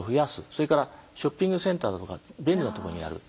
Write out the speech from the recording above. それからショッピングセンターだとか便利なところにやる。